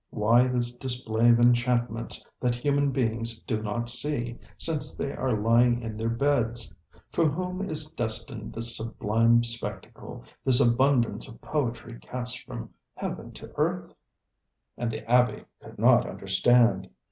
Why this display of enchantments that human beings do not see, since they are lying in their beds? For whom is destined this sublime spectacle, this abundance of poetry cast from heaven to earth? ŌĆØ And the abbe could not understand.